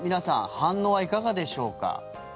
反応はいかがでしょうか？